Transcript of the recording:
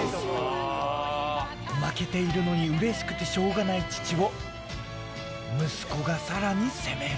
負けているのにうれしくてしょうがない父を息子がさらに攻める。